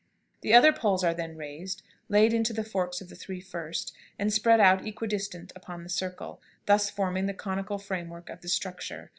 The other poles are then raised, laid into the forks of the three first, and spread out equidistant upon the circle, thus forming the conical framework of the structure.